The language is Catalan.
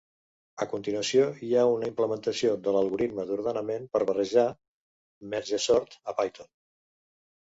A continuació hi ha una implementació de l'algoritme d'ordenament per barreja (merge sort) a Python.